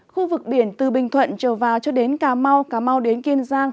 khu vực biển từ bình thuận trở vào cho đến cà mau cà mau đến kiên giang